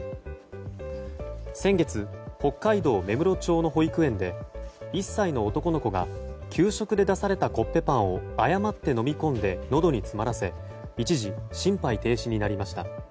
先月、北海道芽室町の保育園で１歳の男の子が給食で出されたコッペパンを誤って飲み込んでのどに詰まらせ一時、心肺停止になりました。